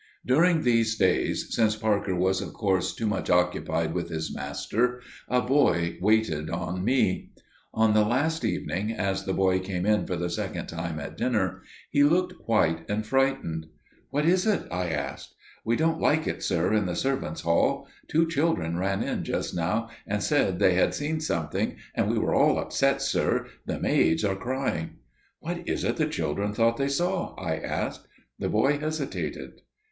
During these days, since Parker was of course too much occupied with his master, a boy waited on me. On the last evening, as the boy came in for the second time at dinner, he looked white and frightened. "What is it?" I asked. "We don't like it, sir, in the servants' hall. Two children ran in just now and said they had seen something, and we are all upset, sir. The maids are crying." "What was it the children thought they saw?" I asked. The boy hesitated.